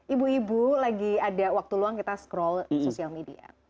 ibu ibu lagi ada waktu luang kita scroll social media